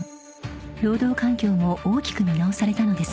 ［労働環境も大きく見直されたのですが］